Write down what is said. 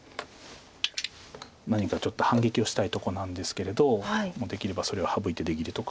何かちょっと反撃をしたいとこなんですけれどできればそれを省いて出切りとか。